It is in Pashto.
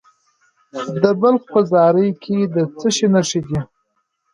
د بلخ په زاري کې د څه شي نښې دي؟